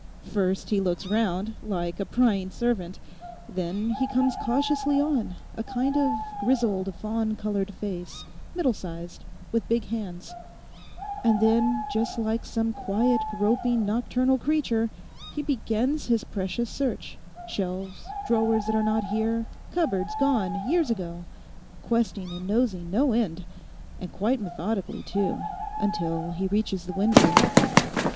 'First he looks round, like a prying servant. Then he comes cautiously on—a kind of grizzled, fawn coloured face, middle size, with big hands; and then just like some quiet, groping, nocturnal creature, he begins his precious search—shelves, drawers that are not here, cupboards gone years ago, questing and nosing no end, and quite methodically too, until he reaches the window.